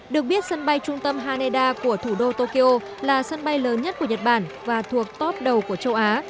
được biết sân bay trung tâm haneda của thủ đô tokyo là sân bay lớn nhất của nhật bản và thuộc top đầu của châu á